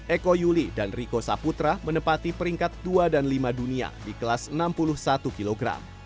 eko yuli dan riko saputra menempati peringkat dua dan lima dunia di kelas enam puluh satu kg